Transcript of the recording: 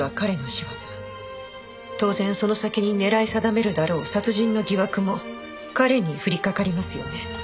当然その先に狙い定めるだろう殺人の疑惑も彼に降りかかりますよね？